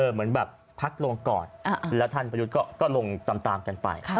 เหมือนแบบพักลงก่อนแล้วท่านประยุทธ์ก็ลงตามกันไป